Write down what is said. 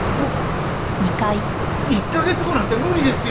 １カ月後なんて無理ですよ！